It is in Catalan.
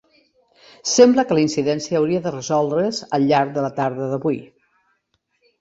Sembla que la incidència hauria de resoldre's al llarg de la tarda d'avui.